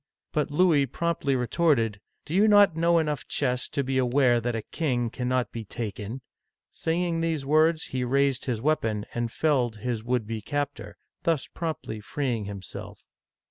But Louis promptly retorted, " Do you not know enough chess to be aware that a king cannot be taken !" Saying these words, he raised his weapon and felled his would be captor, thus promptly freeing himself.